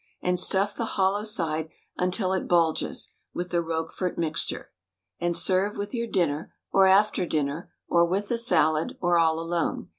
And stuff the hollow side, until it bulges, with the Roquefort mixture. And serve with your dinner, or after dinner, or with the salad, or all alone.